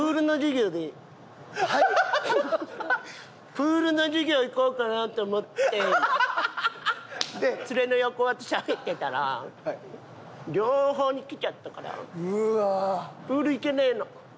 プールの授業行こうかなって思っててツレのヨコオとしゃべってたら両方に来ちゃったからプール行けねえの。